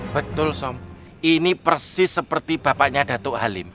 betul som ini persis seperti bapaknya datuk halim